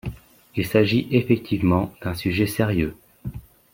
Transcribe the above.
Il s’agit effectivement d’un sujet sérieux.